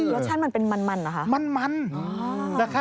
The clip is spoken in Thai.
แล้วชาติมันเป็นมันหรือคะ